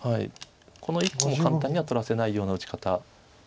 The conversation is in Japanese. この１個も簡単には取らせないような打ち方。